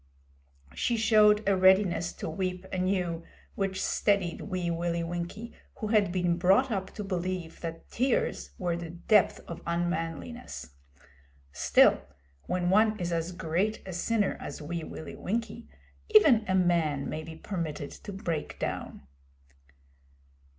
She showed a readiness to weep anew, which steadied Wee Willie Winkie, who had been brought up to believe that tears were the depth of unmanliness. Still, when one is as great a sinner as Wee Willie Winkie, even a man may be permitted to break down.